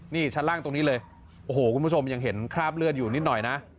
นี่ชั้นล่างตรงนี้เลยโอ้โหคุณผู้ชมยังเห็นคราบเลือดอยู่นิดหน่อยนะ